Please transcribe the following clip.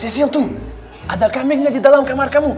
cecil tuh ada kambingnya di dalam kamar kamu